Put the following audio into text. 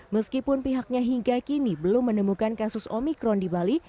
meskipun pihaknya hingga kini belum menemukan kasus omikron di bali